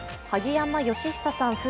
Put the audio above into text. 萩山嘉久さん